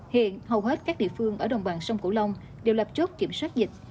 hiện hầu hết các địa phương ở đồng bằng sông cửu long đều lập chốt kiểm soát dịch